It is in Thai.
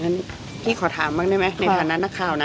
งั้นพี่ขอถามบ้างได้ไหมในฐานะนักข่าวนะ